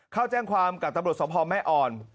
เข้าแจ้งความกับตำรวจสภแม่อ่อน